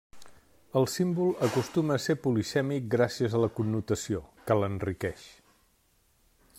El símbol acostuma a ser polisèmic gràcies a la connotació, que l'enriqueix.